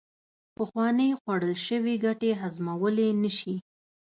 پخوانې خوړل شوې ګټې هضمولې نشي